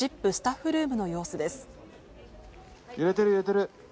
スタッフルームの様子です。